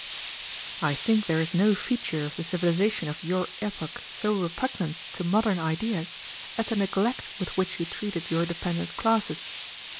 "I think there is no feature of the civilization of your epoch so repugnant to modern ideas as the neglect with which you treated your dependent classes.